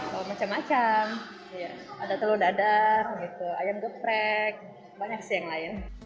telur macam macam ada telur dadar ayam geprek banyak sih yang lain